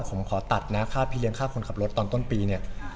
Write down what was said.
ผมขอตัดนะค่าเพียงฆ่าคนขับรถตอนต้นปีเนี่ย